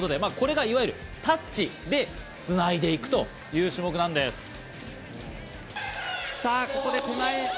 これがいわゆるタッチでつないでいくという種目なんです。